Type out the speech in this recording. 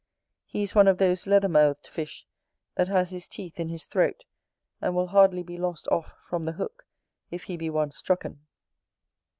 He is one of those leather mouthed fish that has his teeth in his throat, and will hardly be lost off from the hook if he be once strucken.